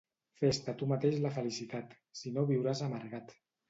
Fes-te tu mateix la felicitat, si no viuràs amargat.